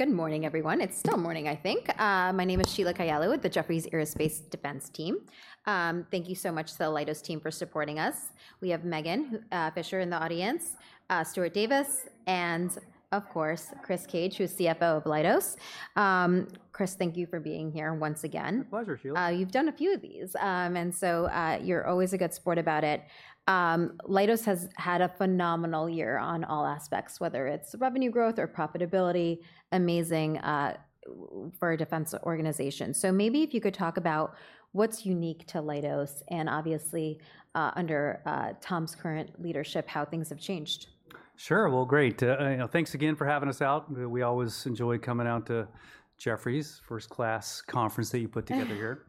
Good morning, everyone. It's still morning, I think. My name is Sheila Kahyaoglu with the Jefferies Aerospace Defense Team. Thank you so much to the Leidos team for supporting us. We have Megan Fisher in the audience, Stuart Davis, and of course, Chris Cage, who's CFO of Leidos. Chris, thank you for being here once again. My pleasure, Sheila. You've done a few of these, and so, you're always a good sport about it. Leidos has had a phenomenal year on all aspects, whether it's revenue growth or profitability, amazing, for a defense organization. So maybe if you could talk about what's unique to Leidos and obviously, under Tom's current leadership, how things have changed. Sure. Well, great. You know, thanks again for having us out. We always enjoy coming out to Jefferies, first-class conference that you put together here.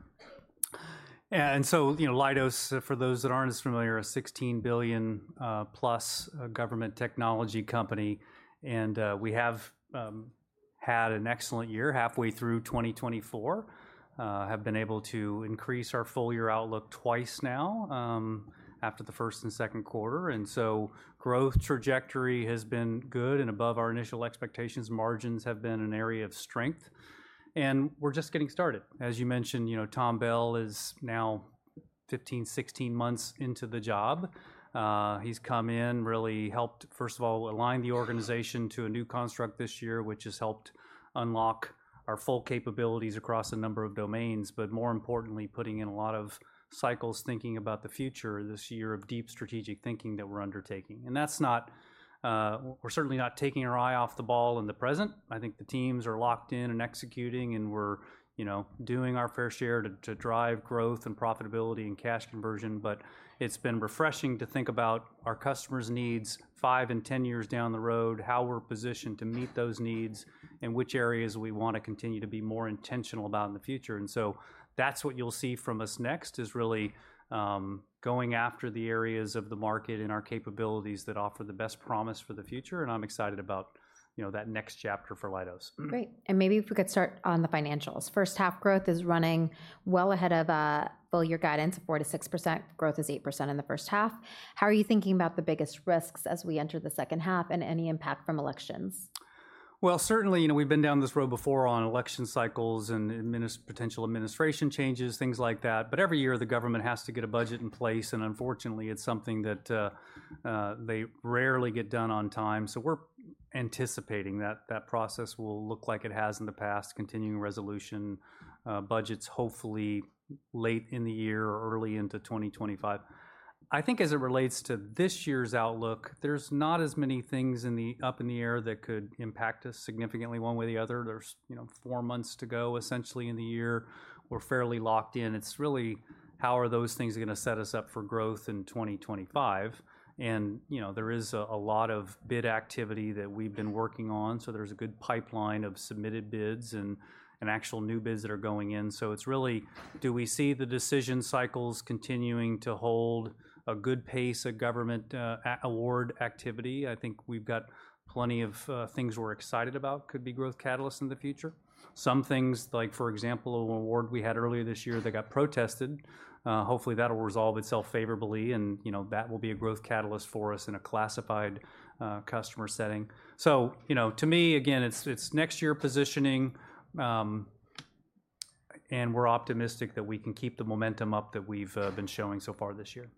And so, you know, Leidos, for those that aren't as familiar, a $16 billion-plus government technology company, and we have had an excellent year, halfway through 2024. Have been able to increase our full year outlook twice now, after the first and second quarter, and so growth trajectory has been good and above our initial expectations. Margins have been an area of strength, and we're just getting started. As you mentioned, you know, Tom Bell is now 15, 16 months into the job. He's come in, really helped, first of all, align the organization to a new construct this year, which has helped unlock our full capabilities across a number of domains, but more importantly, putting in a lot of cycles, thinking about the future this year of deep strategic thinking that we're undertaking. And that's not. We're certainly not taking our eye off the ball in the present. I think the teams are locked in and executing, and we're, you know, doing our fair share to drive growth and profitability and cash conversion, but it's been refreshing to think about our customers' needs five and ten years down the road, how we're positioned to meet those needs, and which areas we want to continue to be more intentional about in the future. So that's what you'll see from us next, is really going after the areas of the market and our capabilities that offer the best promise for the future, and I'm excited about, you know, that next chapter for Leidos. Great. And maybe if we could start on the financials. First half growth is running well ahead of full year guidance, 4%-6%. Growth is 8% in the first half. How are you thinking about the biggest risks as we enter the second half, and any impact from elections? Well, certainly, you know, we've been down this road before on election cycles and adminis-- potential administration changes, things like that, but every year the government has to get a budget in place, and unfortunately, it's something that they rarely get done on time. So we're anticipating that that process will look like it has in the past, continuing resolution budgets hopefully late in the year or early into twenty twenty-five. I think as it relates to this year's outlook, there's not as many things in the-- up in the air that could impact us significantly one way or the other. There's, you know, four months to go, essentially, in the year. We're fairly locked in. It's really, how are those things gonna set us up for growth in twenty twenty-five? You know, there is a lot of bid activity that we've been working on, so there's a good pipeline of submitted bids and actual new bids that are going in. So it's really, do we see the decision cycles continuing to hold a good pace of government award activity? I think we've got plenty of things we're excited about, could be growth catalysts in the future. Some things, like, for example, an award we had earlier this year that got protested, hopefully that'll resolve itself favorably and, you know, that will be a growth catalyst for us in a classified customer setting. So, you know, to me, again, it's next year positioning, and we're optimistic that we can keep the momentum up that we've been showing so far this year.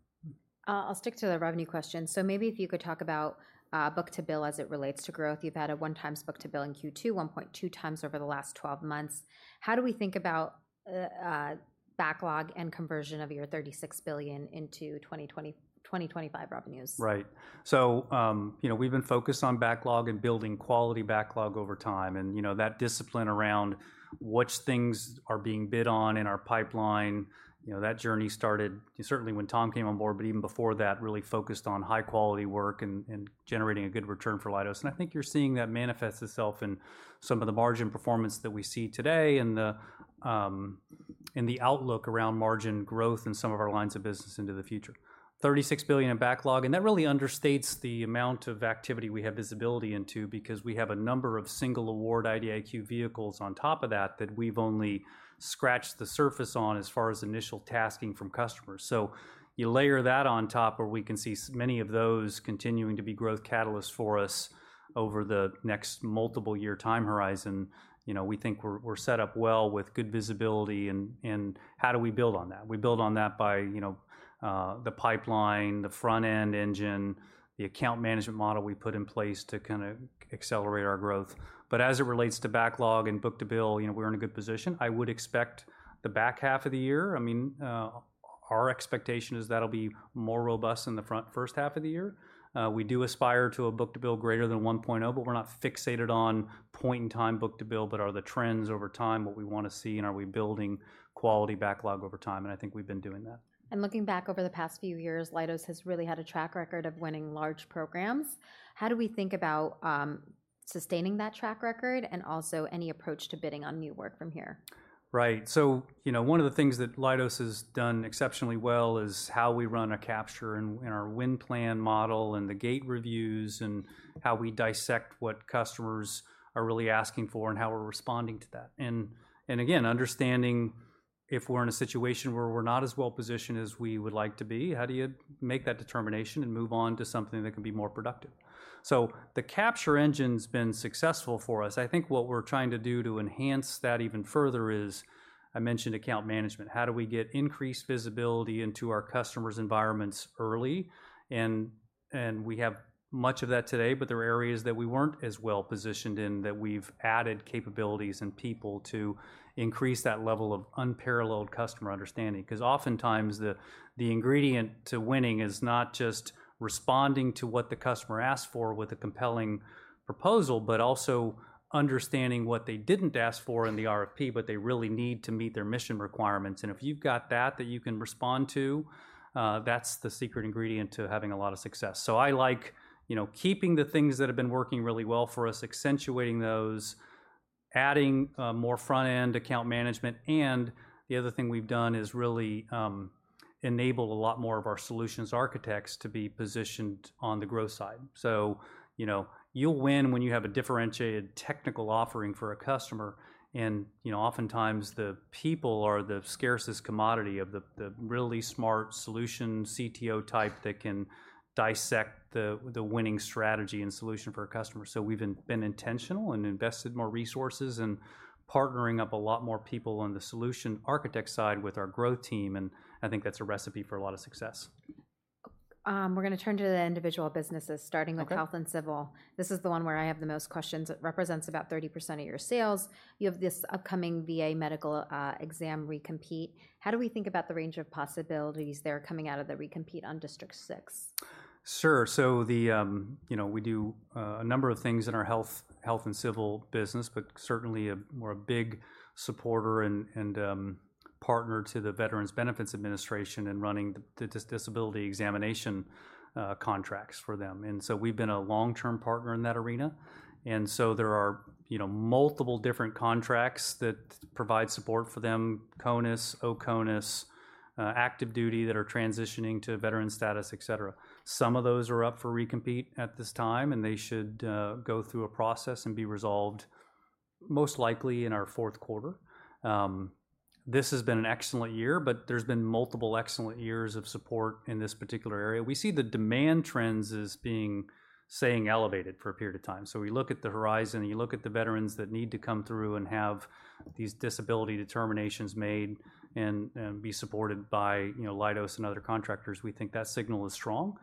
I'll stick to the revenue question. So maybe if you could talk about book-to-bill as it relates to growth. You've had a 1x book-to-bill in Q2, 1.2x over the last twelve months. How do we think about backlog and conversion of your $36 billion into twenty twenty-five revenues? Right, so you know, we've been focused on backlog and building quality backlog over time, and, you know, that discipline around which things are being bid on in our pipeline, you know, that journey started certainly when Tom came on board, but even before that, really focused on high-quality work and generating a good return for Leidos. And I think you're seeing that manifest itself in some of the margin performance that we see today and the and the outlook around margin growth in some of our lines of business into the future. $36 billion in backlog, and that really understates the amount of activity we have visibility into because we have a number of single award IDIQ vehicles on top of that, that we've only scratched the surface on as far as initial tasking from customers. So you layer that on top, where we can see many of those continuing to be growth catalysts for us over the next multiple year time horizon. You know, we think we're set up well with good visibility, and how do we build on that? We build on that by, you know, the pipeline, the front end engine, the account management model we put in place to kinda accelerate our growth. But as it relates to backlog and book-to-bill, you know, we're in a good position. I would expect the back half of the year. I mean, our expectation is that'll be more robust in the front, first half of the year. We do aspire to a book-to-bill greater than 1.0, but we're not fixated on point-in-time book-to-bill, but are the trends over time what we wanna see, and are we building quality backlog over time, and I think we've been doing that. Looking back over the past few years, Leidos has really had a track record of winning large programs. How do we think about, sustaining that track record and also any approach to bidding on new work from here? Right. So, you know, one of the things that Leidos has done exceptionally well is how we run a capture and our win plan model, and the gate reviews, and how we dissect what customers are really asking for and how we're responding to that. And again, understanding if we're in a situation where we're not as well positioned as we would like to be, how do you make that determination and move on to something that can be more productive? So the capture engine's been successful for us. I think what we're trying to do to enhance that even further is, I mentioned account management. How do we get increased visibility into our customers' environments early? We have much of that today, but there are areas that we weren't as well positioned in, that we've added capabilities and people to increase that level of unparalleled customer understanding. 'Cause oftentimes, the ingredient to winning is not just responding to what the customer asked for with a compelling proposal, but also understanding what they didn't ask for in the RFP, but they really need to meet their mission requirements. And if you've got that you can respond to, that's the secret ingredient to having a lot of success. So I like, you know, keeping the things that have been working really well for us, accentuating those, adding more front-end account management. And the other thing we've done is really enable a lot more of our solutions architects to be positioned on the growth side. So, you know, you'll win when you have a differentiated technical offering for a customer, and, you know, oftentimes, the people are the scarcest commodity of the really smart solution CTO type that can dissect the winning strategy and solution for a customer. So we've been intentional and invested more resources and partnering up a lot more people on the solution architect side with our growth team, and I think that's a recipe for a lot of success. We're gonna turn to the individual businesses. Okay. Starting with Health and Civil. This is the one where I have the most questions. It represents about 30% of your sales. You have this upcoming VA medical exam recompete. How do we think about the range of possibilities there coming out of the recompete on District 6? Sure. So the... You know, we do a number of things in our Health and Civil business, but certainly, we're a big supporter and partner to the Veterans Benefits Administration in running the disability examination contracts for them, and so we've been a long-term partner in that arena. So there are, you know, multiple different contracts that provide support for them, CONUS, OCONUS, active duty that are transitioning to veteran status, et cetera. Some of those are up for recompete at this time, and they should go through a process and be resolved, most likely in our fourth quarter. This has been an excellent year, but there's been multiple excellent years of support in this particular area. We see the demand trends as being staying elevated for a period of time. So we look at the horizon, and you look at the veterans that need to come through and have these disability determinations made and be supported by, you know, Leidos and other contractors, we think that signal is strong.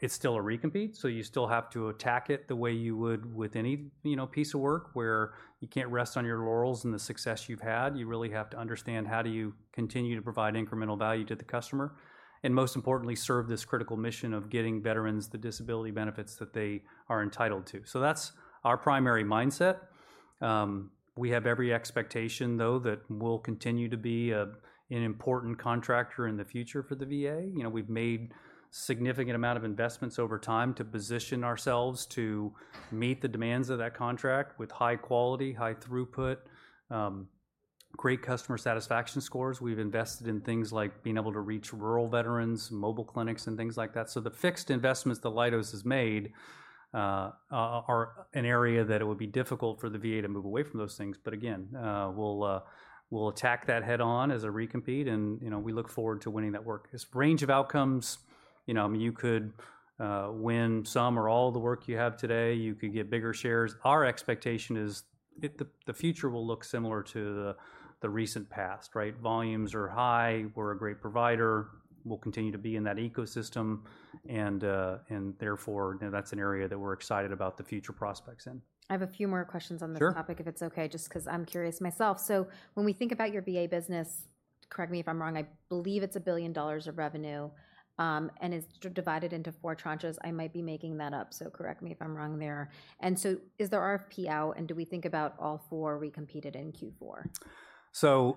It's still a recompete, so you still have to attack it the way you would with any, you know, piece of work, where you can't rest on your laurels and the success you've had. You really have to understand, how do you continue to provide incremental value to the customer, and most importantly, serve this critical mission of getting veterans the disability benefits that they are entitled to? So that's our primary mindset. We have every expectation, though, that we'll continue to be an important contractor in the future for the VA. You know, we've made significant amount of investments over time to position ourselves to meet the demands of that contract with high quality, high throughput, great customer satisfaction scores. We've invested in things like being able to reach rural veterans, mobile clinics, and things like that. So the fixed investments that Leidos has made are an area that it would be difficult for the VA to move away from those things. But again, we'll attack that head-on as a recompete, and, you know, we look forward to winning that work. Its range of outcomes, you know, I mean, you could win some or all of the work you have today. You could get bigger shares. Our expectation is, the future will look similar to the recent past, right? Volumes are high. We're a great provider. We'll continue to be in that ecosystem, and therefore, you know, that's an area that we're excited about the future prospects in. I have a few more questions on this topic. Sure. If it's okay, just 'cause I'm curious myself. So when we think about your VA business, correct me if I'm wrong, I believe it's $1 billion of revenue, and it's divided into four tranches. I might be making that up, so correct me if I'm wrong there. And so is the RFP out, and do we think about all four recompeted in Q4? So,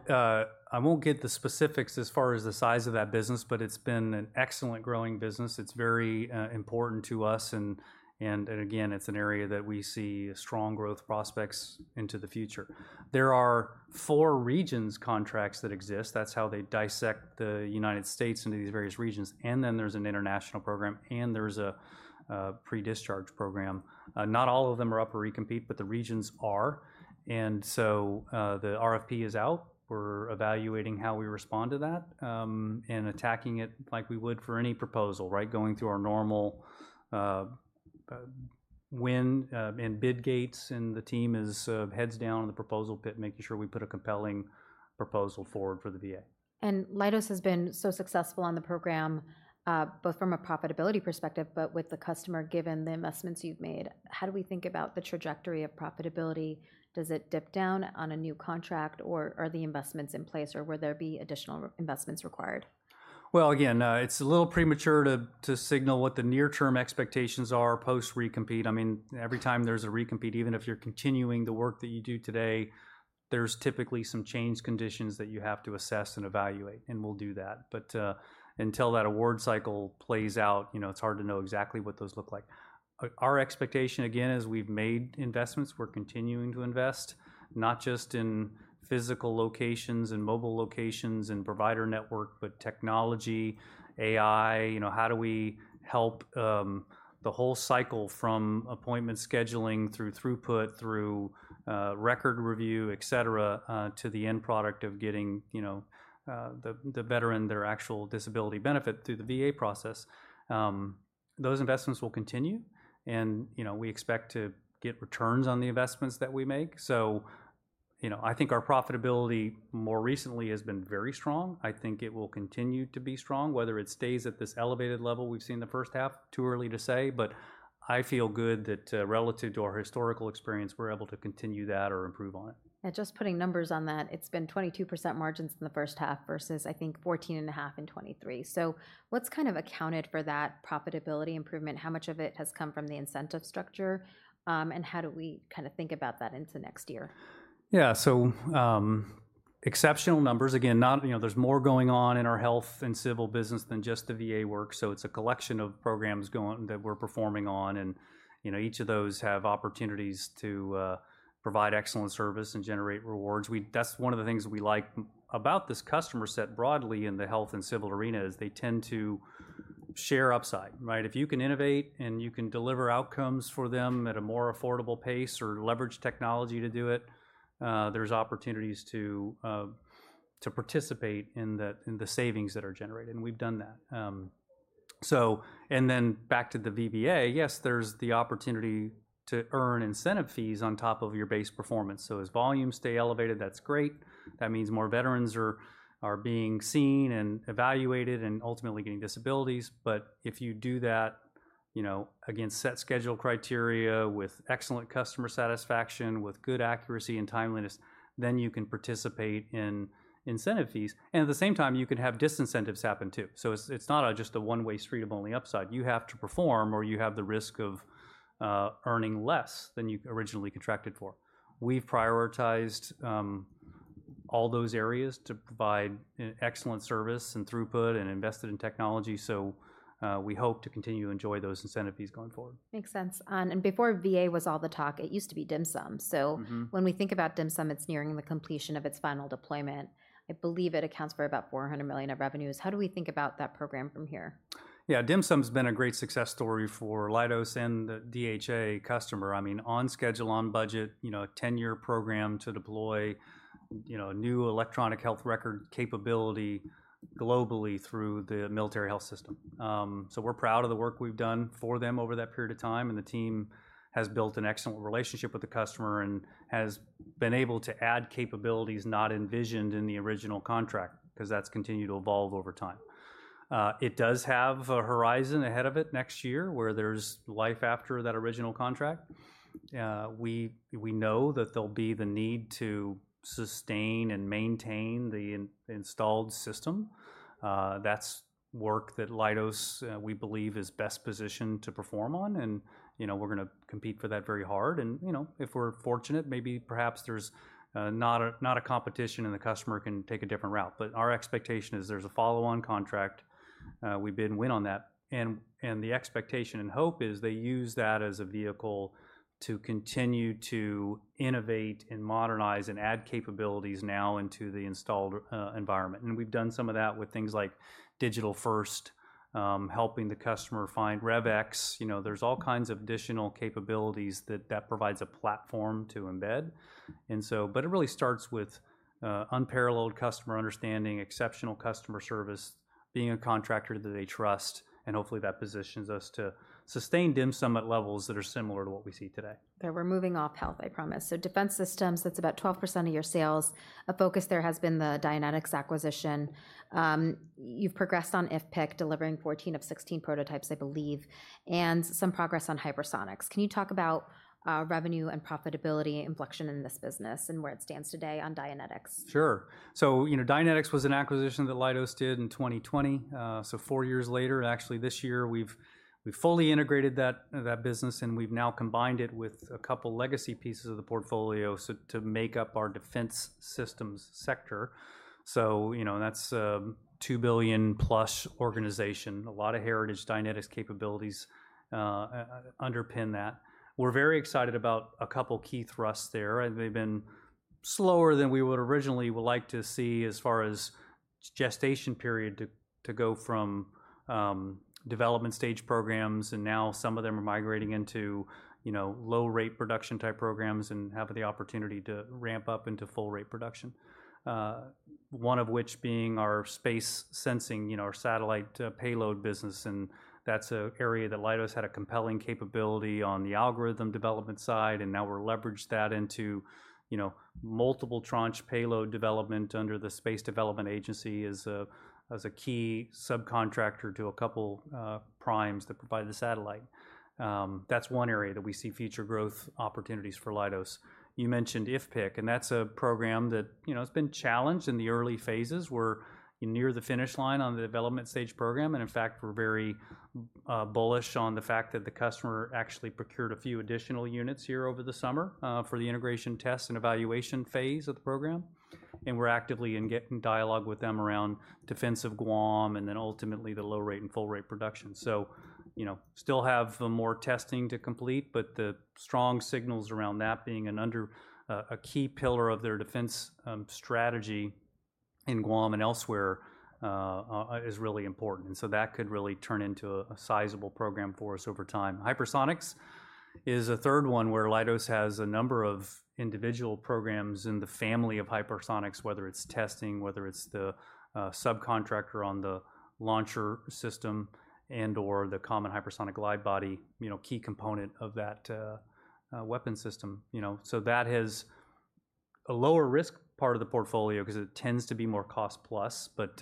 I won't get the specifics as far as the size of that business, but it's been an excellent growing business. It's very, important to us, and, and again, it's an area that we see strong growth prospects into the future. There are four regions contracts that exist. That's how they dissect the United States into these various regions, and then there's an international program, and there's a pre-discharge program. Not all of them are up for recompete, but the regions are. And so, the RFP is out. We're evaluating how we respond to that, and attacking it like we would for any proposal, right? Going through our normal, win, and bid gates, and the team is, heads down in the proposal pit, making sure we put a compelling proposal forward for the VA. Leidos has been so successful on the program, both from a profitability perspective, but with the customer, given the investments you've made. How do we think about the trajectory of profitability? Does it dip down on a new contract, or are the investments in place, or will there be additional re-investments required? Well, again, it's a little premature to signal what the near-term expectations are post-recompete. I mean, every time there's a recompete, even if you're continuing the work that you do today, there's typically some changed conditions that you have to assess and evaluate, and we'll do that. But until that award cycle plays out, you know, it's hard to know exactly what those look like. But our expectation, again, is we've made investments. We're continuing to invest, not just in physical locations and mobile locations and provider network, but technology, AI. You know, how do we help the whole cycle from appointment scheduling through throughput, through record review, et cetera, to the end product of getting, you know, the veteran their actual disability benefit through the VA process? Those investments will continue, and, you know, we expect to get returns on the investments that we make. So, you know, I think our profitability more recently has been very strong. I think it will continue to be strong, whether it stays at this elevated level we've seen in the first half, too early to say, but I feel good that, relative to our historical experience, we're able to continue that or improve on it. Just putting numbers on that, it's been 22% margins in the first half versus, I think, 14.5% in 2023. What's kind of accounted for that profitability improvement? How much of it has come from the incentive structure, and how do we kinda think about that into next year? Yeah, so exceptional numbers. Again, you know, there's more going on in our health and civil business than just the VA work, so it's a collection of programs that we're performing on, and you know, each of those have opportunities to provide excellent service and generate rewards. That's one of the things that we like about this customer set broadly in the health and civil arena, is they tend to share upside, right? If you can innovate and you can deliver outcomes for them at a more affordable pace or leverage technology to do it, there's opportunities to participate in the savings that are generated, and we've done that, so and then back to the VBA, yes, there's the opportunity to earn incentive fees on top of your base performance, so as volumes stay elevated, that's great. That means more veterans are being seen and evaluated and ultimately getting disabilities, but if you do that, you know, against set schedule criteria with excellent customer satisfaction, with good accuracy and timeliness, then you can participate in incentive fees, and at the same time, you can have disincentives happen, too, so it's not just a one-way street of only upside. You have to perform, or you have the risk of earning less than you originally contracted for. We've prioritized all those areas to provide excellent service and throughput and invested in technology, so we hope to continue to enjoy those incentive fees going forward. Makes sense. And before VA was all the talk, it used to be DHMSM. So- Mm-hmm. When we think about DHMSM, it's nearing the completion of its final deployment. I believe it accounts for about $400 million of revenues. How do we think about that program from here? Yeah. DHMSM's been a great success story for Leidos and the DHA customer. I mean, on schedule, on budget, you know, a ten-year program to deploy, you know, new electronic health record capability globally through the military health system. So we're proud of the work we've done for them over that period of time, and the team has built an excellent relationship with the customer and has been able to add capabilities not envisioned in the original contract, 'cause that's continued to evolve over time. It does have a horizon ahead of it next year, where there's life after that original contract. We know that there'll be the need to sustain and maintain the installed system. That's work that Leidos we believe is best positioned to perform on, and, you know, we're gonna compete for that very hard. You know, if we're fortunate, maybe perhaps there's not a competition, and the customer can take a different route. Our expectation is there's a follow-on contract. We bid and win on that, the expectation and hope is they use that as a vehicle to continue to innovate and modernize and add capabilities now into the installed environment. We've done some of that with things like digital first, helping the customer find RevX. You know, there's all kinds of additional capabilities that provides a platform to embed, and so. It really starts with unparalleled customer understanding, exceptional customer service, being a contractor that they trust, and hopefully, that positions us to sustain DHMSM at levels that are similar to what we see today. Okay, we're moving off health, I promise. So Defense Systems, that's about 12% of your sales. A focus there has been the Dynetics acquisition. You've progressed on IFPC, delivering 14 of 16 prototypes, I believe, and some progress on hypersonics. Can you talk about revenue and profitability inflection in this business and where it stands today on Dynetics? Sure. So, you know, Dynetics was an acquisition that Leidos did in 2020. So four years later, actually, this year, we've fully integrated that business, and we've now combined it with a couple legacy pieces of the portfolio, so to make up our Defense Systems sector. So, you know, that's a $2 billion-plus organization. A lot of heritage Dynetics capabilities underpin that. We're very excited about a couple key thrusts there, and they've been slower than we would originally would like to see as far as gestation period to go from development stage programs, and now some of them are migrating into, you know, low-rate production type programs and have the opportunity to ramp up into full-rate production. One of which being our space sensing, you know, our satellite, payload business, and that's an area that Leidos had a compelling capability on the algorithm development side, and now we're leveraged that into, you know, multiple tranche payload development under the Space Development Agency as a key subcontractor to a couple, primes that provide the satellite. That's one area that we see future growth opportunities for Leidos. You mentioned IFPC, and that's a program that, you know, it's been challenged in the early phases. We're near the finish line on the development stage program, and in fact, we're very, bullish on the fact that the customer actually procured a few additional units here over the summer, for the integration test and evaluation phase of the program. And we're actively in getting dialogue with them around defense of Guam and then ultimately the low-rate and full-rate production. So, you know, still have more testing to complete, but the strong signals around that being a key pillar of their defense strategy in Guam and elsewhere is really important, and so that could really turn into a sizable program for us over time. Hypersonics is a third one, where Leidos has a number of individual programs in the family of hypersonics, whether it's testing, whether it's the subcontractor on the launcher system and/or the Common Hypersonic Glide Body, you know, key component of that weapon system, you know. So that has a lower risk part of the portfolio, because it tends to be more cost plus, but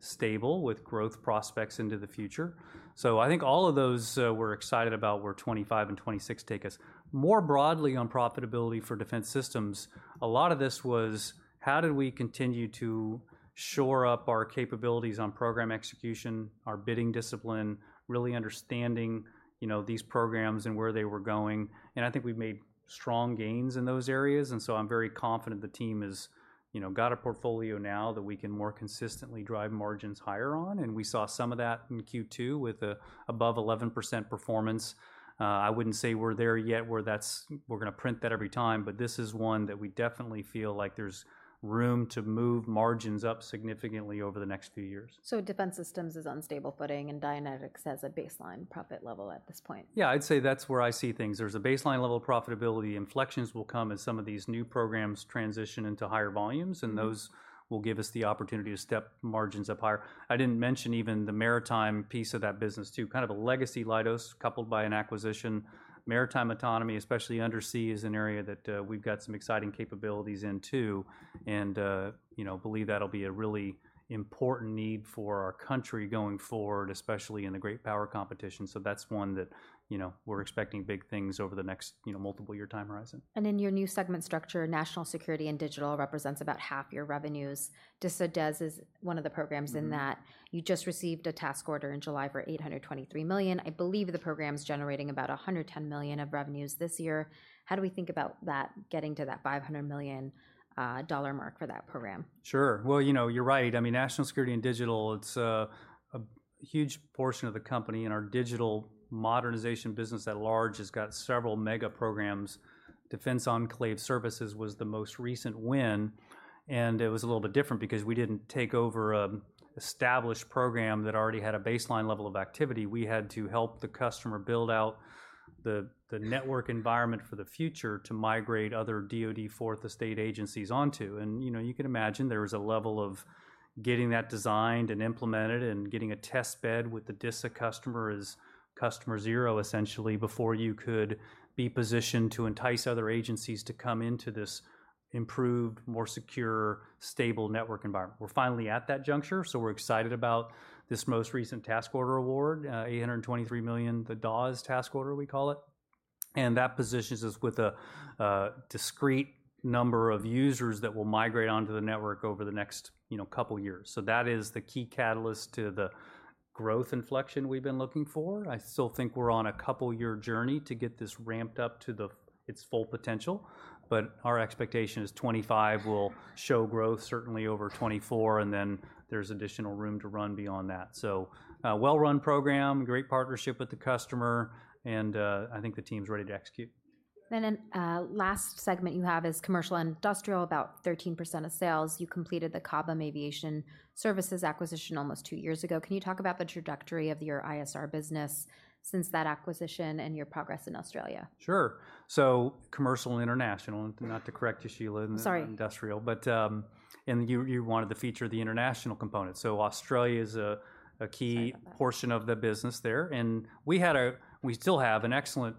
stable with growth prospects into the future. So I think all of those, we're excited about where 2025 and 2026 take us. More broadly on profitability for Defense Systems, a lot of this was: how do we continue to shore up our capabilities on program execution, our bidding discipline, really understanding, you know, these programs and where they were going? And I think we've made strong gains in those areas, and so I'm very confident the team has, you know, got a portfolio now that we can more consistently drive margins higher on, and we saw some of that in Q2 with an above 11% performance. I wouldn't say we're there yet, where that's, we're gonna print that every time, but this is one that we definitely feel like there's room to move margins up significantly over the next few years. So Defense Systems is on stable footing, and Dynetics has a baseline profit level at this point? Yeah, I'd say that's where I see things. There's a baseline level of profitability. Inflections will come as some of these new programs transition into higher volumes, and those will give us the opportunity to step margins up higher. I didn't mention even the maritime piece of that business, too, kind of a legacy Leidos, coupled by an acquisition. Maritime autonomy, especially undersea, is an area that we've got some exciting capabilities in, too, and you know, believe that'll be a really important need for our country going forward, especially in the great power competition. So that's one that, you know, we're expecting big things over the next, you know, multiple year time horizon. In your new segment structure, National Security and Digital represents about half your revenues. DISA DES is one of the programs in that. Mm-hmm. You just received a task order in July for $823 million. I believe the program's generating about $110 million of revenues this year. How do we think about that getting to that $500 million dollar mark for that program? Sure. Well, you know, you're right. I mean, national security and digital, it's a huge portion of the company, and our digital modernization business at large has got several mega programs. Defense Enclave Services was the most recent win, and it was a little bit different because we didn't take over an established program that already had a baseline level of activity. We had to help the customer build out the network environment for the future to migrate other DoD Fourth Estate agencies onto. And, you know, you can imagine there was a level of getting that designed and implemented and getting a test bed with the DISA customer as customer zero, essentially, before you could be positioned to entice other agencies to come into this improved, more secure, stable network environment. We're finally at that juncture, so we're excited about this most recent task order award, $823 million, the DAFAs task order, we call it. That positions us with a discrete number of users that will migrate onto the network over the next, you know, couple years. So that is the key catalyst to the growth inflection we've been looking for. I still think we're on a couple year journey to get this ramped up to its full potential, but our expectation is 2025 will show growth, certainly over 2024, and then there's additional room to run beyond that. Well-run program, great partnership with the customer, and I think the team's ready to execute. And then, last segment you have is commercial and industrial, about 13% of sales. You completed the Cobham Aviation Services acquisition almost two years ago. Can you talk about the trajectory of your ISR business since that acquisition and your progress in Australia? Sure. So Commercial and International, not to correct you, Sheila. Sorry... industrial, but and you wanted the feature of the international component. So Australia is a key- Sorry about that.... portion of the business there, and we had we still have an excellent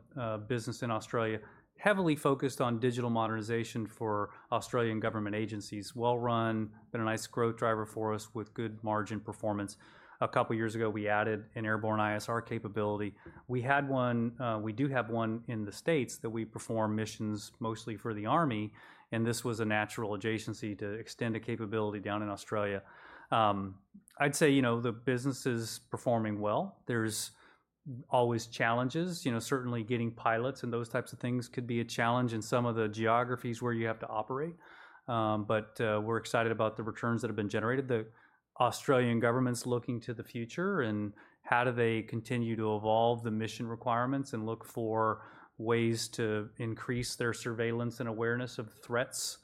business in Australia, heavily focused on digital modernization for Australian government agencies. Well-run, been a nice growth driver for us with good margin performance. A couple years ago, we added an airborne ISR capability. We had one, we do have one in the States that we perform missions mostly for the Army, and this was a natural adjacency to extend a capability down in Australia. I'd say, you know, the business is performing well. There's always challenges. You know, certainly getting pilots and those types of things could be a challenge in some of the geographies where you have to operate, but we're excited about the returns that have been generated. The Australian government's looking to the future and how do they continue to evolve the mission requirements and look for ways to increase their surveillance and awareness of threats,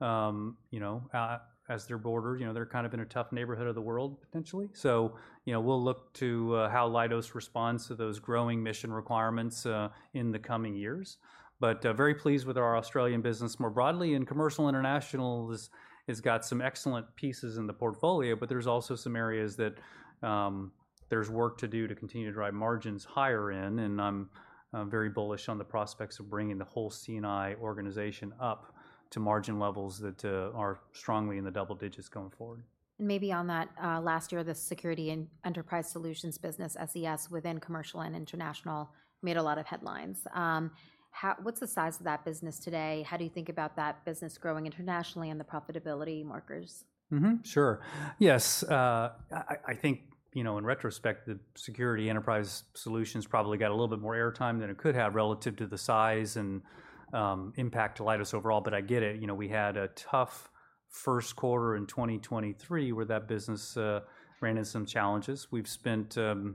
you know, as their border. You know, they're kind of in a tough neighborhood of the world, potentially, so you know, we'll look to how Leidos responds to those growing mission requirements in the coming years, but very pleased with our Australian business more broadly, and Commercial International has got some excellent pieces in the portfolio, but there's also some areas that there's work to do to continue to drive margins higher in, and I'm very bullish on the prospects of bringing the whole C&I organization up to margin levels that are strongly in the double digits going forward. Maybe on that, last year, the Security Enterprise Solutions business, SES, within Commercial and International made a lot of headlines. What's the size of that business today? How do you think about that business growing internationally and theprofitability markers? Mm-hmm. Sure. Yes, I think, you know, in retrospect, the Security Enterprise Solutions probably got a little bit more airtime than it could have relative to the size and, impact to Leidos overall, but I get it. You know, we had a tough first quarter in 2023, where that business ran into some challenges. We've spent, you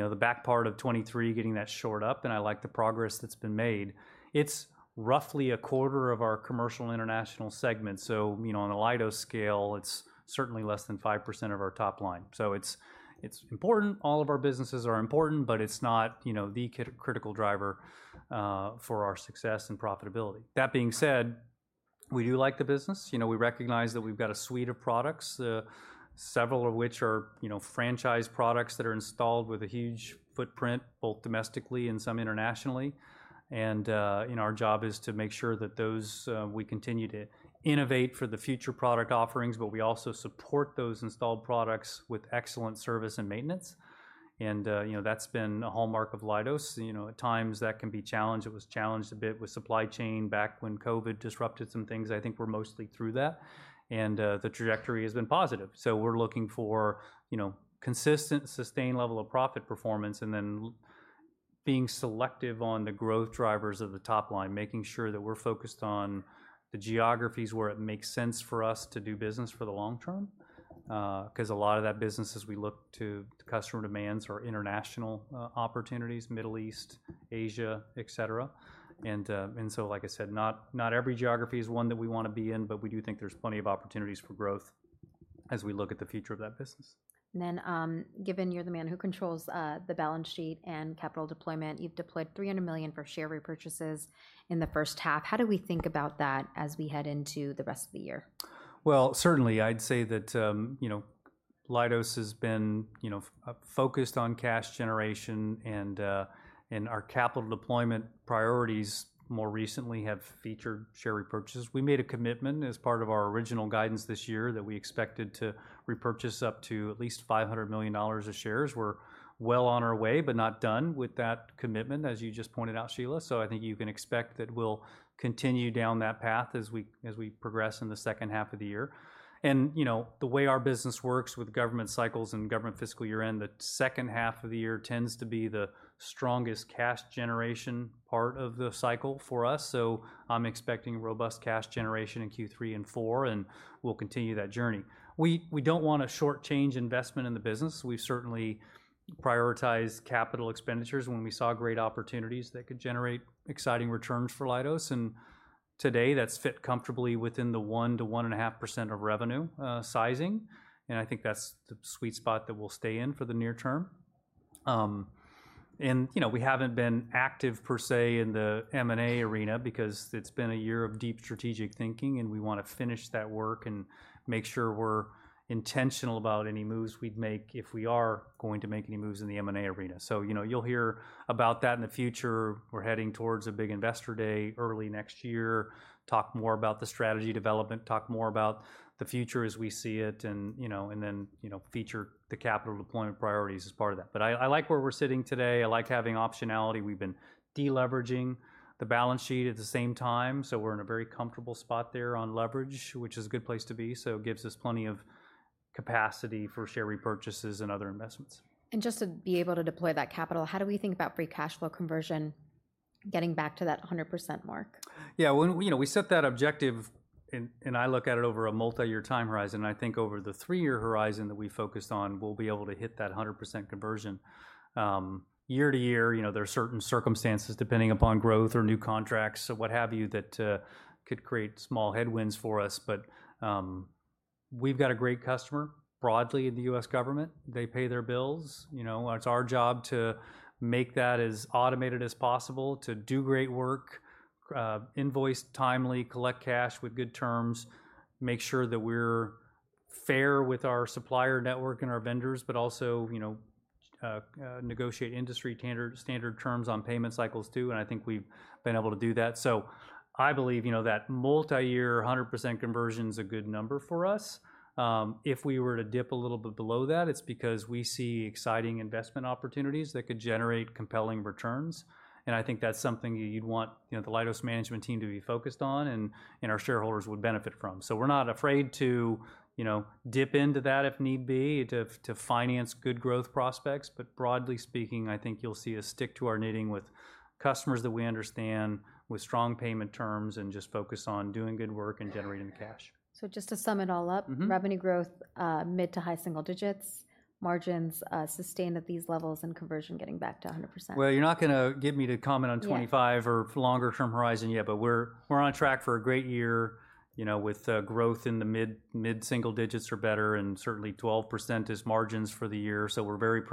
know, the back part of 2023 getting that shored up, and I like the progress that's been made. It's roughly a quarter of our commercial international segment, so, you know, on a Leidos scale, it's certainly less than 5% of our top line. So it's, it's important. All of our businesses are important, but it's not, you know, the critical driver for our success and profitability. That being said, we do likethe business. You know, we recognize that we've got a suite of products, several of which are, you know, franchise products that are installed with a huge footprint, both domestically and some internationally. And you know, our job is to make sure that those we continue to innovate for the future product offerings, but we also support those installed products with excellent service and maintenance. And you know, that's been a hallmark of Leidos. You know, at times, that can be challenged. It was challenged a bit with supply chain back when COVID disrupted some things. I think we're mostly through that, and the trajectory has been positive. We're looking for, you know, consistent, sustained level of profit performance, and then being selective on the growth drivers of the top line, making sure that we're focused on the geographies where it makes sense for us to do business for the long term. 'Cause a lot of that business, as we look to customer demands, are international opportunities, Middle East, Asia, et cetera, so like I said, not, not every geography is one that we wanna be in, but we do think there's plenty of opportunities for growth as we look at the future of that business. Then, given you're the man who controls the balance sheet and capital deployment, you've deployed $300 million for share repurchases in the first half. How do we think about that as we head into the rest of the year? Certainly, I'd say that, you know, Leidos has been, you know, focused on cash generation and, and our capital deployment priorities, more recently, have featured share repurchases. We made a commitment as part of our original guidance this year that we expected to repurchase up to at least $500 million of shares. We're well on our way, but not done with that commitment, as you just pointed out, Sheila. I think you can expect that we'll continue down that path as we progress in the second half of the year. You know, the way our business works with government cycles and government fiscal year-end, the second half of the year tends to be the strongest cash generation part of the cycle for us. I'm expecting robust cash generation in Q3 and 4, and we'll continue that journey. We don't wanna short-change investment in the business. We've certainly prioritized capital expenditures when we saw great opportunities that could generate exciting returns for Leidos, and today that's fit comfortably within the 1%-1.5% of revenue sizing, and I think that's the sweet spot that we'll stay in for the near term, and you know, we haven't been active per se in the M&A arena because it's been a year of deep strategic thinking, and we wanna finish that work and make sure we're intentional about any moves we'd make if we are going to make any moves in the M&A arena, you know, you'll hear about that in the future. We're heading towards a big investor day early next year, talk more about the strategy development, talk more about the future as we see it and, you know, and then, you know, feature the capital deployment priorities as part of that. But I, I like where we're sitting today. I like having optionality. We've been de-leveraging the balance sheet at the same time, so we're in a very comfortable spot there on leverage, which is a good place to be, so it gives us plenty of capacity for share repurchases and other investments. And just to be able to deploy that capital, how do we think about free cash flow conversion getting back to that 100% mark? Yeah. You know, we set that objective, and I look at it over a multi-year time horizon, and I think over the three-year horizon that we focused on, we'll be able to hit that 100% conversion. Year to year, you know, there are certain circumstances, depending upon growth or new contracts or what have you, that could create small headwinds for us. But we've got a great customer broadly in the U.S. government. They pay their bills. You know, it's our job to make that as automated as possible, to do great work, invoice timely, collect cash with good terms, make sure that we're fair with our supplier network and our vendors, but also, you know, negotiate industry standard terms on payment cycles, too, and I think we've been able to do that. So I believe, you know, that multi-year 100% conversion's a good number for us. If we were to dip a little bit below that, it's because we see exciting investment opportunities that could generate compelling returns, and I think that's something you'd want, you know, the Leidos management team to be focused on and our shareholders would benefit from. So we're not afraid to, you know, dip into that if need be, to finance good growth prospects. But broadly speaking, I think you'll see us stick to our knitting with customers that we understand, with strong payment terms, and just focus on doing good work and generating cash. So just to sum it all up- Mm-hmm. -revenue growth, mid to high single digits, margins sustained at these levels, and conversion getting back to 100%. Well, you're not gonna get me to comment on- Yeah... twenty-five or longer-term horizon yet, but we're on track for a great year, you know, with growth in the mid single digits or better, and certainly 12% is margins for the year. So we're very pleased-